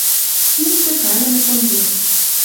Симсӹ пӓлӹмӹ конверт.